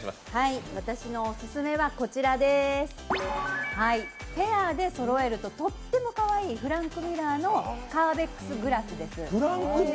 私のオススメは、こちらですペアでそろえるととってもかわいいフランクミュラーのカーベックスグラスです。